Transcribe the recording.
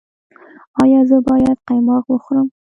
ایا زه باید قیماق وخورم؟